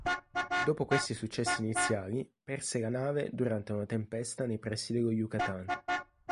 Dopo questi successi iniziali, perse la nave durante una tempesta nei pressi dello Yucatán.